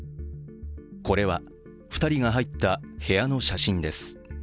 これは、２人が入った部屋の写真です。